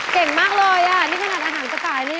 เก่งมากเลยนี่ขนาดอาหารสไตล์นี่